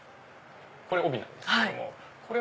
これ帯なんですけども。